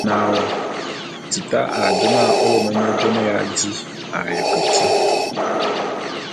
A na, naôô ! Tita a jô na ô lôme nye jôme ya di a ye keti.